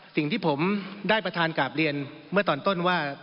สิ่งที่ผมได้ประธานกราบเรียนเมื่อตอนต้นว่า